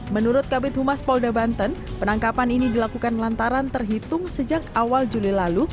menurut kabit humas polda banten penangkapan ini dilakukan lantaran terhitung sejak awal juli lalu